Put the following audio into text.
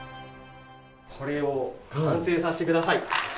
これを完成させてください。